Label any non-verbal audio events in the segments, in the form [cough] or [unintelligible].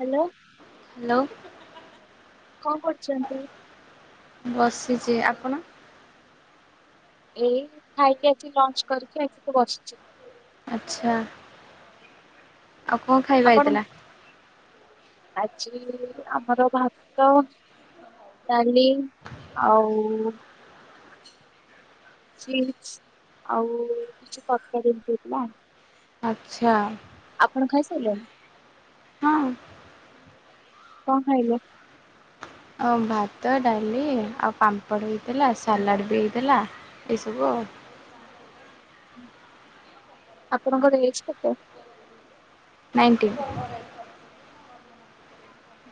Hello. Hello. କଁ କରୁଚନ୍ତି? ବସିଚି ଆପଣ? ଏଇ ଖାଇକି ଆଚି ଲଞ୍ଚ କରିକି ଆସିକି ବସିଚି। ଆଚ୍ଛା ଆଉ କଁ ଖାଇବା ଆପଣ? ହେଇଥିଲା? ଆଜି ଆମର ଭାତ ଡାଲି ଆଉ ଚିପ୍ସ ଆଉ କିଛି ତରକାରୀ ଏମିତି ଥିଲା। ଆଚ୍ଛା। ଆପଣ ଖାଇସାରିଲେଣି? ହଁ। କଣ ଖାଇଲେ? ଅ ଭାତ ଡାଲି ଆଉ ପାମ୍ପଡ଼ ହେଇଥିଲା ସାଲାଡ଼ ବି ହେଇଥିଲା। ଏଇ ସବୁ ଆଉ। ଆପଣଙ୍କର ଏଜ କେତେ? ନାଇଣ୍ଟିନ୍।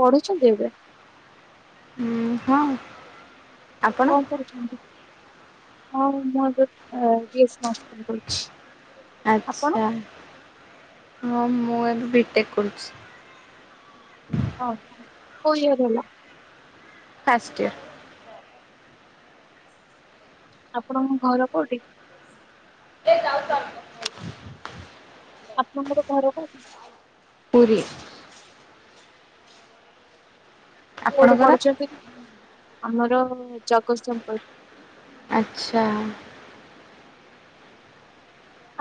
ପଢୁଛନ୍ତି ଏବେ? ଉ ହଁ। ଆପଣ? ହଁ ମୁଁ ଏବେ ଅ ବି ଏସ ସି ନର୍ସିଂ କରୁଛି। ଆପଣ? ଆଚ୍ଛା ହଁ ମୁଁ ଏବେ ବିଟେକ୍ କରୁଛି। ଓ ହ କୋଉ ଇଅର୍ ହେଲା। First year. ଆପଣଙ୍କ ଘର କୋଉଠି? [unintelligible] ଆପଣଙ୍କର ଘର କୋଉଠି? ପୁରୀ। କୋଉଠି ଆପଣଙ୍କର? ପଢୁଛନ୍ତି ଆମର ଜଗତସିପୁର। ଆଚ୍ଛା।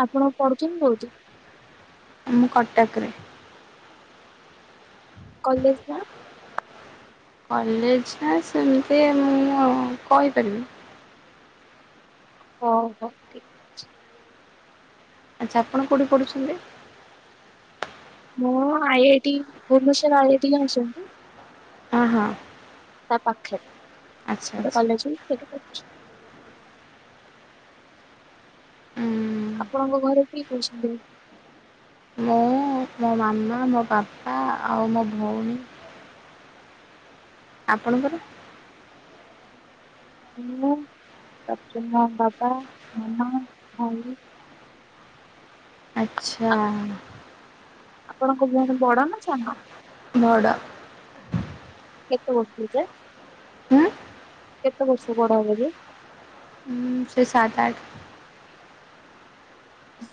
ଆପଣ ପଢୁଛନ୍ତି କୋଉଠି? ମୁଁ କଟକରେ। କଲେଜ ନା? କଲେଜ ନା ସେମିତି ମୁଁ କହିପାରିବି ଓହୋ। ଆଚ୍ଛା ଆପଣ କେଉଁଠି ପଢୁଛନ୍ତି? ମୁଁ I I T Bhubaneswar I I T ଜାଣିଛନ୍ତି? ହଁ ହଁ। ତା ପାଖରେ ଆଚ୍ଛା ଗୋଟେ ଆଚ୍ଛା। କଲେଜ୍ ଅଛି ସେଇଠି ପଢୁଛି। ଆପଣଙ୍କ ଘରେ କିଏ କିଏ ଅଛନ୍ତି? ମୁଁ ମୋ ମାମା ମୋ ବାପା ଆଉ ମୋ ଭଉଣୀ। ଆପଣଙ୍କର? ମୁଁ [unintelligible] ବାବା ମାମା ଭାଇ। ଆ- ଆଚ୍ଛା। ଆପଣଙ୍କ ଭଉଣୀ ବଡ ନା ସାନ? ବଡ଼। କେତେ ବର୍ଷରୁ ଯେ ହୁ। କେତେ ବର୍ଷ ବଡ ହେବେ ଯେ? ହୁଁ ସେ ସାତେ ଅଠେ। ହ [inaudible]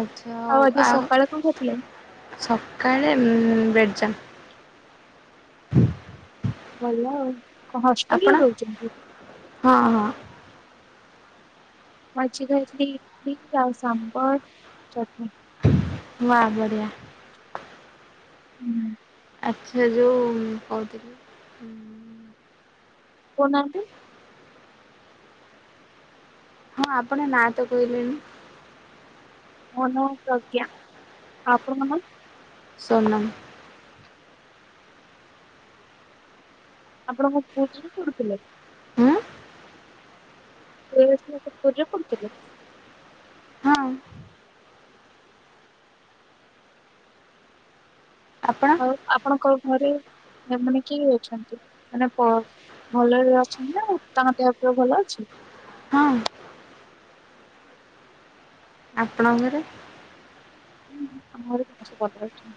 ଆଚ୍ଛା ଆଉ ଆଜି ଆଉ ସକାଳେ କଣ ଖାଇଥିଲେ? ସକାଳେ ବ୍ରେଡ୍ ଯାମ୍। ଭଲ ଆଉ କଣ ଆପଣ? ହଷ୍ଟେଲରେ ରହୁଛନ୍ତି? ହଁ ହଁ। ମୁ ଆଜି ଖାଇଥିଲି ଇଡିଲ୍ ଆଉ ସାମ୍ଭର ଚଟିନ୍। ବା ବଢିଆ। ହୁଁ। ଆଚ୍ଛା ଯୋଉ କହୁଥିଲି କହୁନାହାନ୍ତି? ହଁ ଆପଣ ନାଁ ତ କହିଲେନି ମୋ ନା ପ୍ରଜ୍ଞା ଆପଣଙ୍କ ନା ସୋନମ୍ ଆପଣଙ୍କ ପୁ ଜି ପଢ଼ୁଥିଲେ ଉଁ ଏସ ପୂଜା କରୁଥିଲ ହଁ ଆପଣ ଆଉ ଆପଣଙ୍କ ଘରେ ମାନେ କିଏ ଅଛନ୍ତି ମାନେ ଭଲରେ ଅଛନ୍ତି ନା ତାଙ୍କ ଦେହ ପ ଭଲ ଅଛି ହଁ ଆପଣଙ୍କର? ଆମ ଘରେ ସମସ୍ତେ ଭଲ ଅଛନ୍ତି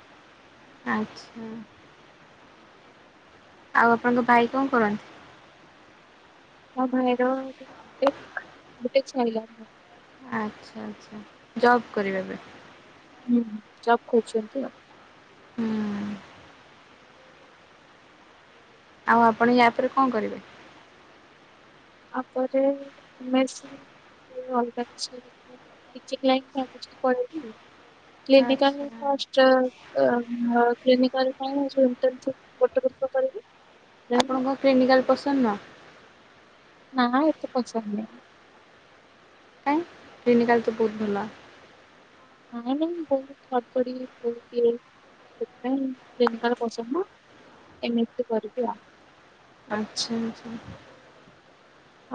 ଆଚ୍ଛା ଆଉ ଆପଣଙ୍କ ଭାଇ କଣ କରନ୍ତି? ମୋ ଭାଇର ବିଟେକ୍ ବି ଟେକ୍ ସହିଲା ଆଛା ଆଛା ଯବ୍ କରିବେ ଏବେ ହୁ ଜବ୍ ଖହୁଛନ୍ତି ଆଉ ହୁଁ ଆଉ ଆପଣ ୟା ପରେ କଣ କରିବେ? ତାପରେ ଏମ୍ ଏସ ସି ଅଲଗା କିଛି ଟିଚିଂ ଲାଇନ ଆଉ କିଛି ପଳେଇବି କ୍ଲିନିକଲ ଆଚ୍ଛା। ପଷ୍ଟ କ୍ଲିନିକଲ ପାଇଁ ଯୋଉ ଇଣ୍ଟର୍ନସିପ୍ ଗୋଟେ ବର୍ଷ କରିବି ଦେନ୍ ଆପଣଙ୍କୁ କ୍ଲିନିକାଲ ପସନ୍ଦ ନା ନାଁ ଏତେ ପସନ୍ଦ ନାଇଁ କ୍ଲିନିକାଲ ତ ବହୁତ ଭଲ ନାଇଁ ନାଇଁ ବହୁତ ହଡପଡି ବହୁତ ଇଏ ସେଥିପାଇଁ କ୍ଲିନିକାଲ ପସନ୍ଦ ଏମିତି କରିବି ଆଉ ଭାବୁଛି ଆଚ୍ଛା ଆଛ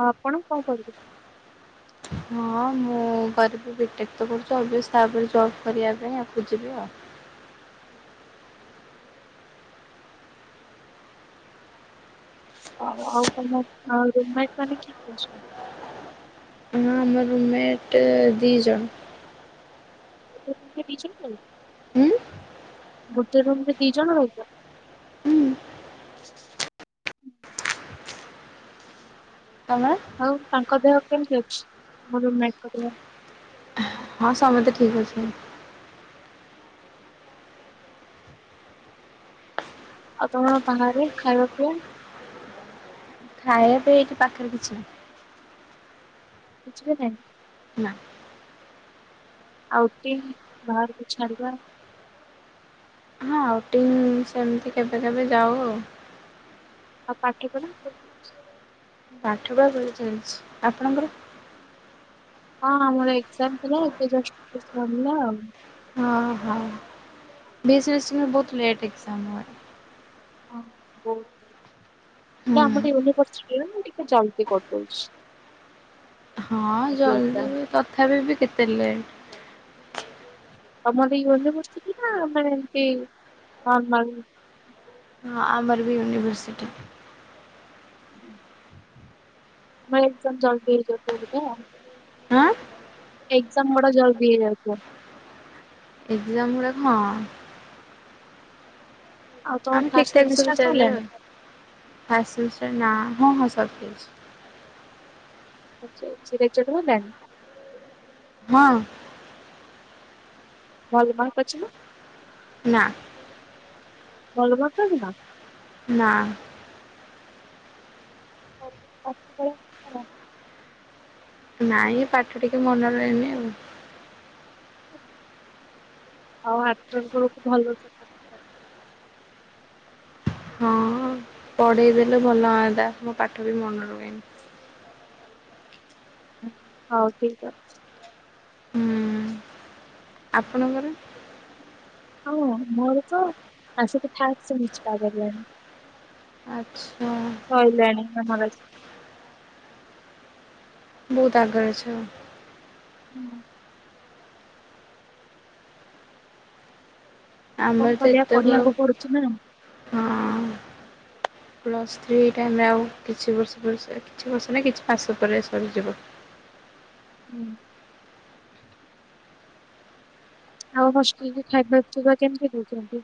ଆପଣ କଣ କରିବେ ହଁ ମୁଁ ଗରିବି ବିଟେକ୍ ତ କରୁଛି ଅଭ ତାପରେ ଜବ୍ କରିବା ପାଇଁ ଆଗକୁ ଯିବି ଆଉ ଆଉ ତମ ରଟ ମାନେ କିଏ କିଏ ଅଛନ୍ତି? ହଁ ଆମର ମେଟ୍ ଦି ଜଣ ହୁଁ ଗୋଟେ ରୁମରେ ଦି ଜଣ ରହିଛ ହୁଁ ତମର? ଆଉ ତାଙ୍କ ଦେହ କେମିତି ଅଛି ମ କରିବା [unintelligible] ହଁ ସମସ୍ତେ ଠିକ୍ ଅଛନ୍ତି। ଆଉ ତମର ବାହାରେ ଖାଇବା ପିଇବା ଖାଇବା ପାଇଁ ଏଠି ପାଖରେ କିଛି ନାହି କିଛି ବି ନାହିଁ ନା ଆଉଟି ବାହାରକୁ ଛାଡିବା ହଁ ଆଉଟିଙ୍ଗ ସେମିତି କେବେ କେବେ ଯାଉ ଆଉ ଆଉ ପାଠପଢ଼ା ପାଠପଢା ଭଲ ଚାଲିଛି ଆପଣଙ୍କର? ହଁ ଆମର ଏଜାମ ଥିଲା ଏବେ ଜଷ୍ଟ ସରିଲା ଆଉ ହଁ ହଁ ବି ଏସ୍ ବିସ ମେ ବହୁତ ଲେଟ ଏକ୍ସମ୍ ହୁଆ ହେ ହଁ ବହୁତ ହେ ହୁଁ। ଆମର ୟୁନିଭର୍ସିଟିରେ ନା ଟିକେ ଜଲଦି କରିଦଉଛି। ହଁ ଆଜି ଜଲ୍ଦି ଏକ୍ଜାମ୍ ତଥାପି ବି କେତେ ଲେଟ୍। ତ ମର ୟୁନିଭର୍ଷିଟି ନ ମାନେ ନିର୍ମଲ୍ ହଁ ଆମର ବି ୟୁନିଭର୍ସିଟି। ହୁଁ। ଆମର ଏକ୍ଜାମ୍ ଜଲଦି ହେଇଯାଉଛି ଅବିକା? ଆଁ ଏକ୍ଜାମ୍ ଗୁଡା ଜଲଦି ହେଇଯାଉଥିବ? ଏକ୍ଜାମ୍ ଗୁଡ଼ାକ ହଁ। ଆଉ ତମ ଆମ ଫାଷ୍ଟ ଟିକେଟ୍ ସବୁ ସେମିଷ୍ଟାର ସେଲ୍ ଆଉ ସରିଲାଣି? ଆସିଷ୍ଟାଣ୍ଟ ନାଁ ହଁ ହଁ ସରିଯାଇଛି। ସରିଯାଇଛି ରେଜଲ୍ଟ ବାହାରିଲାଣି? ହଁ। ଭଲ ମାର୍କ ଅଛି ନାଁ? ନାଁ। ଭଲ କରିଛନ୍ତି ନାଁ? ନାଁ। ହଉ ଟିକେ ପାଠ ପଢ ଏମିତି ଭଲ। ନାଇଁ ପାଠ ଟିକେ ମନେ ରୁହେନି ଆଉ। ଆଉ ଆରଥରକୁ ହଉଛି ଭଲସେ ମାର୍କ ପଢେଇ ଦେଲେ ଭଲ ହଅନ୍ତା ମୋ ପାଠ ଟିକେ ମନ ରୁହେନି। ଉଁ ହଉ ଠିକ୍ ଅଛି। ହୁଁ ଆପଣଙ୍କର? ଆଉ କଁ ମୋର ତ ଆସିକି ଥାଡ୍ ସେମିଷ୍ଟାର୍ ହେଲାଣି। ଆଛା। ସଇଲାଣି ଆମର ଅଛି। ବହୁତ ଆଗରେ ଅଛ ଆଉ। ହୁଁ। କଣ ଆମର ତ କରିଆ ଏତେବେଳୁ ପଢିବାକୁ ପଡୁଛି ନାଁ। ହଁ ପ୍ଲସ୍ ଥ୍ରୀ ଟା ଆମେ ଆଉ କିଛି ବର୍ଷ ପରେ ସରି କିଛି ବର୍ଷ ନାଇଁ କିଛି ମାସ ପରେ ସରିଯିବ। ହୁଁ। ଆଉ ହଷ୍ଟେଲରେ ଖାଇବା ପିଇବା କେମିତି ଦେଉଛନ୍ତି?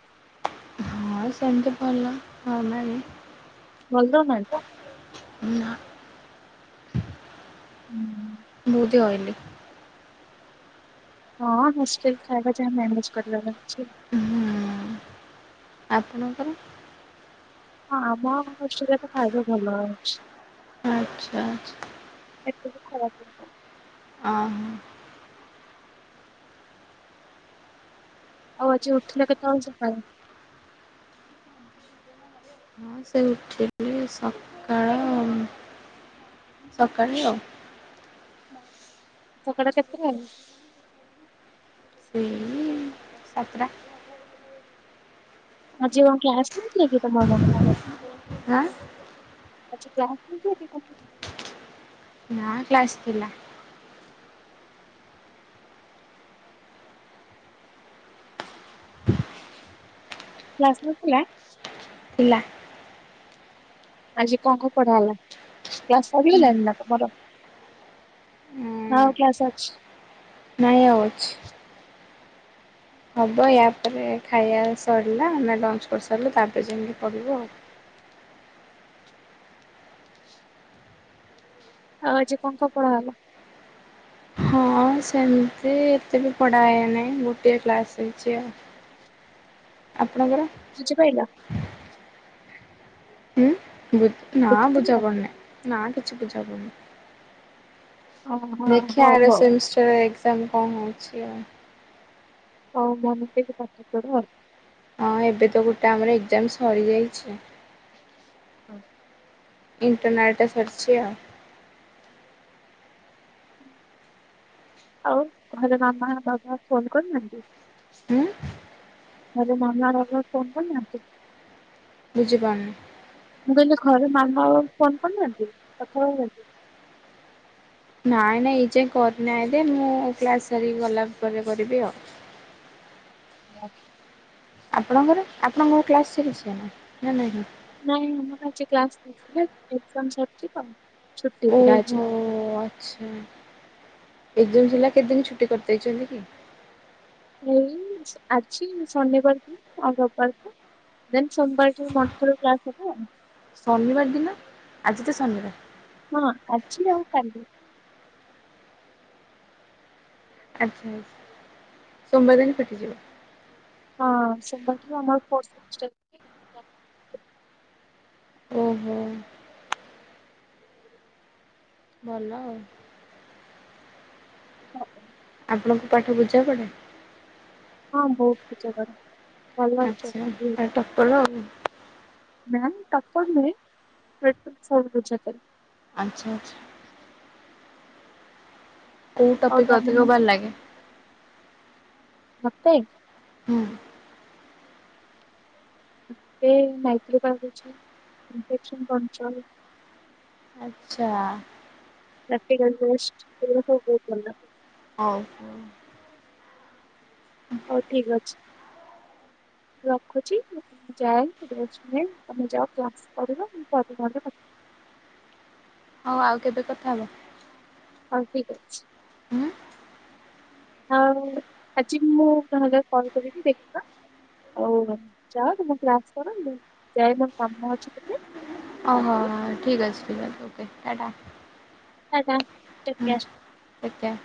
ହଁ ସେମିତି ଭଲ ଆଉ ଆମେ ବି ଭଲ ନୁହେଁ କି? ନାଁ। ହୁଁ। ବୋଧେ ଅଇଲେ। ହଁ ହଷ୍ଟେଲ ଖାଇବା ଯାହା ମ୍ୟାନେଜ୍ କରିବାର ଅଛି। ଆପଣଙ୍କର? ହଁ ଆମ ହଷ୍ଟେଲରେ ତ ଖାଇବା ଭଲ ଅଛି। ଆଛା ଆଛା। ଏତେ ବି ଖରାପ ନୁହଁ। ହଁ। ଆଉ ଆଜି ଉଠିଲ କେତେବେଳେ ସକାଳେ? ମୁଁ ସେଇ ଉଠିଲି ସକାଳ ଆଉ ସକାଳେ ଆଉ। ସକାଳ କେତେଟା ରୁ? ସେଇ ସାତେଟା। ଆଜି ଆଉ କ୍ଲାସ୍ ନାହଁ କିିରେ କି ତମ ମାନଙ୍କର? ଆଁ। ଆଜି କ୍ଲାସ୍ ନଥିଲା କି ତମର? ହଁ କ୍ଲାସ୍ ଥିଲା। କ୍ଲାସ୍ ନଥିଲା? ଥିଲା। ଆଜି କଣ କଣ ପଢା ହେଲା କ୍ଲାସ୍ ସାରିଗଲାଣିନା ତମର? ହଁ କ୍ଲାସ୍ ଅଛି। ନାଁଇ ଆଉ ଅଛି। ହବ ୟାପରେ ଖାଇବା ସରିଲା। ଆମେ ଲଞ୍ଚ କରିସାରିଲୁ ତାପରେ ଜାଇଁକି ପଢିବୁ ଆଉ। ଆଉ ଆଜି କଣ କଣ ପଢା ହେଲା? ହଁ ସେମିତି, ଏତେ ବି ପଢ଼ାହେଇ ନାହିଁ ଗୋଟିଏ କ୍ଲାସ୍ ଅଛି ଆଉ। ଆପଣଙ୍କର? ବୁଝି ପାଇଲ? ହୁଁ ବୁଝ୍ ନା ବୁଝିପାରିଲ? ବୁଝାପଡୁନାଇଁ, ନା କିଛି ବୁଝାପଡ଼ୁନି। ଓହୋ ଦେଖିବା ହଉ ଆର ହଉ। ସେମିଷ୍ଟର୍ ଏକ୍ଜାମ୍ କଣ ହଉଛି ଆଉ? ହଉ ମନ ଦେଇକି ପାଠ ପଢ ଆଉ। ହଁ ଏବେ ତ ଗୋଟେ ଆମର ଏକ୍ଜାମ୍ ସରିଯାଇଛି। ହଁ। ଇଣ୍ଟରନାଲ ଟା ସରିଛି ଆଉ। ଆଉ ଘରେ ମାମା ବାବା ଫୋନ କରିନାହାନ୍ତି? ହୁଁ ଘରେ ମାମା ବାବା ଫୋନ୍ କରିନାହାନ୍ତି? ବୁଝିପାରୁନି। ମୁଁ କହିଲି ଘରେ ମାମା ଆଉ ଫୋନ୍ କରିନାହାନ୍ତି କଥା ହବା [unintelligible] ପାଇଁକି। ନାଇଁ ନାଇଁ ଏଇ ଯାଏଁ କରିନାହାନ୍ତି। ମୁଁ କ୍ଲାସ ସାରିକି ଗଲା ପରେ କରିବି ଆଉ। ହଁ। ଆପଣଙ୍କର ଆପଣଙ୍କର କ୍ଲାସ୍ ସରିଛିନା ନା ନାହିଁ। ନାଇଁ ଆମର ଆଜି କ୍ଲାସ [unintelligible] ଏକ୍ଜାମ ସରିଛି ତ ଛୁଟି ଥିଲା ଓହୋ ଆଜି। ଆଚ୍ଛା। ଏକ୍ଜାମ ଥିଲା କେତେଦିନ ଛୁଟି କରିଦେଇଛନ୍ତି କି? ଏଇ ଆଜି ଶନିବାରକୁ ଆଉ ରବିବାରକୁ। ଦେନ୍ ସୋମବାରଠୁ [unintelligible] କ୍ଲାସ୍ ହବ ଆଉ। ଶନିବାର ଦିନ, ଆଜି ତ ଶନିବାର। ହଁ ଆଜି ଆଉ କାଲି। ଆଚ୍ଛା ଆଚ୍ଛା। ସୋମବାର ଦିନ ଫିଟିଯିବ। ହଁ ସୋମବାରଠୁ ଆମର ଫୋର୍ଥ ସେମିଷ୍ଟର୍ ଓହୋ। ଭଲ ଆଉ। ହଁ ହବ। ଆପଣଙ୍କୁ ପାଠ ବୁଝା ପଡେ? ହଁ ବହୁତ ପୂଜା କରେ। ଭଲ ଅଛନ୍ତି ଆଚ୍ଛା [unintelligible] କଲ ଆଉ। ନା ମୁଁ ଟପର ନୁହେଁ ବଟ୍ ଅ ସବୁ ବୁଝାପଡେ। ଆଚ୍ଛା ଆଚ୍ଛା। କୋଉ ହଉ ଟପିକ୍ ତା ଅଧିକ ମାନେ, ଭଲ ଲାଗେ ମତେ। ହୁଁ। ଏ ମାଇକ୍ରୋ [unintelligible] ଇନଫେକ୍ସନ କଣ [unintelligible] ଆଚ୍ଛା। ଲେଫଟି ଗଣ୍ଡ [unintelligible] ହଉ ହ ହଉ ଠିକ୍ ଅଛି। ରଖୁଛି। ମୁଁ ଯାଏ ରେଷ୍ଟ ନିଏ, ତମେ ଯାଅ କ୍ଲାସ୍ କରିବ। ମୁଁ ପରେ ନହେଲେ କଥ ହଉ ଆଉ କେବେ କଥା ହବା? ହଁ ଠିକ ଅଛି। ହୁଁ ଆଉ ଆଜି ମୁଁ ତାହେଲେ କଲ୍ କରିବି ଦେଖିବା। ହଉ ଯାଅ ତମେ କ୍ଲାସ କର। ମୁଁ ଯାଏ ମୋର କାମ ଅଛି ଟିକେ। ଓହୋ ତାପରେ ଠିକ୍ ଅଛି ଓକେ ଟା ଟା। ଟା ଟା। ହୁଁ ଆଜ୍ଞା।